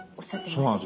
そうなんです。